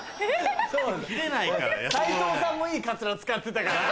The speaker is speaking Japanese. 斎藤さんもいいカツラ使ってたから。